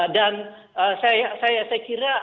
dan saya kira